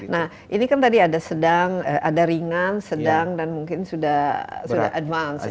nah ini kan tadi ada sedang ada ringan sedang dan mungkin sudah advance